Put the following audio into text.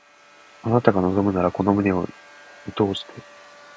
あなたが望むならこの胸を射通して